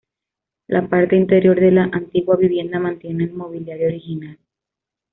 La parte interior de la antigua vivienda mantiene el mobiliario original.